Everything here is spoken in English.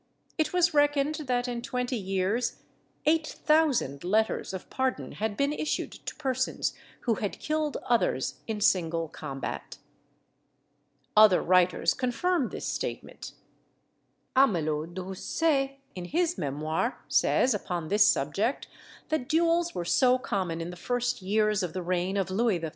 It was reckoned that in twenty years eight thousand letters of pardon had been issued to persons who had killed others in single combat. Elémens de l'Histoire de France, vol. iii. p. 219. Other writers confirm this statement. Amelot de Houssaye, in his Memoirs, says, upon this subject, that duels were so common in the first years of the reign of Louis XIII.